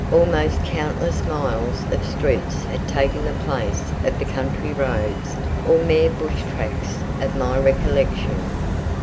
Almost countless miles of streets had taken the place of the country roads or mere bush tracks of my recollection.